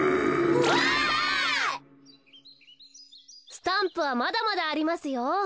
スタンプはまだまだありますよ。